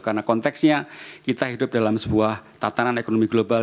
karena konteksnya kita hidup dalam sebuah tatanan ekonomi global